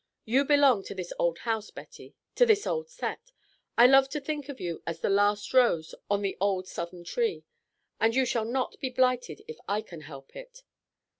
You belong to this old house, Betty, to this old set; I love to think of you as the last rose on the old Southern tree, and you shall not be blighted if I can help it."